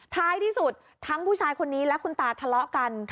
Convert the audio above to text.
ท้ายที่สุดทั้งผู้ชายคนนี้และคุณตาทะเลาะกัน